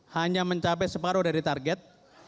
hanya mencapai separuh dari target